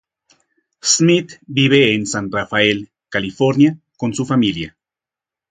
Smith vive en San Rafael, California, con su familia.